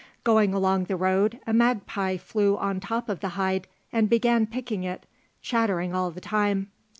Going along the road a magpie flew on the top of the hide, and began picking it, chattering all the time.